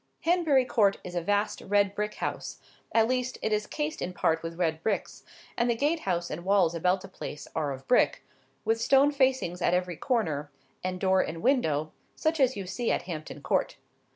Hanbury Court is a vast red brick house—at least, it is cased in part with red bricks; and the gate house and walls about the place are of brick,—with stone facings at every corner, and door, and window, such as you see at Hampton Court.